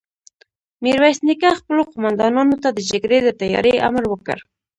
ميرويس نيکه خپلو قوماندانانو ته د جګړې د تياري امر وکړ.